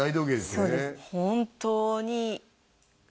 そうです